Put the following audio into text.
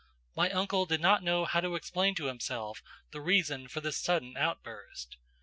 "My uncle did not know how to explain to himself the reason for this sudden outburst.